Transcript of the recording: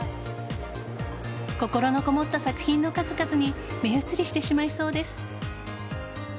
心のこもった作品の数々に目移りしてしまいそうです。